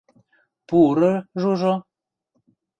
Пуры, Жужо?